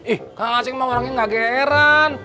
ih kak ngaceng mah orangnya gak gran